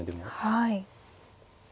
はい。